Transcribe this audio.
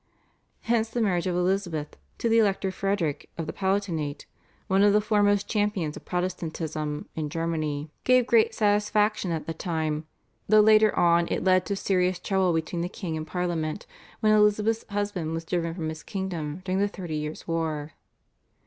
Hence the marriage of Elizabeth to the Elector Frederick of the Palatinate, one of the foremost champions of Protestantism in Germany, gave great satisfaction at the time, though later on it led to serious trouble between the king and Parliament, when Elizabeth's husband was driven from his kingdom during the Thirty Years' War.